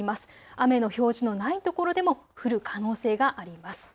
雨の表示のないところでも降る可能性があります。